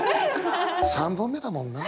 ３本目だもんな。